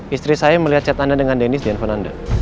istri saya melihat chat anda dengan deniz di handphone anda